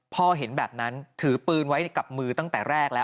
เห็นแบบนั้นถือปืนไว้กับมือตั้งแต่แรกแล้ว